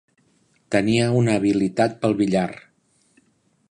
Tenia una habilitat pel billar.